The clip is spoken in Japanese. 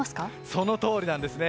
そのとおりなんですね。